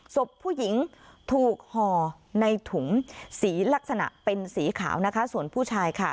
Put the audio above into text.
ศพผู้หญิงถูกห่อในถุงสีลักษณะเป็นสีขาวนะคะส่วนผู้ชายค่ะ